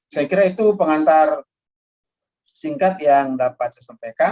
saya kira itu pengantar singkat yang dapat saya sampaikan